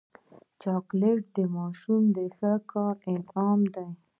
چاکلېټ د ماشوم د ښو کار انعام دی.